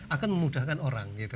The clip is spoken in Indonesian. akan memudahkan orang